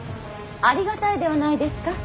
ありがたいではないですか。